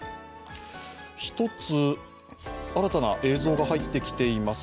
１つ、新たな映像が入ってきています。